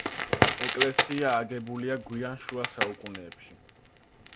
ეკლესია აგებულია გვიან შუა საუკუნეებში.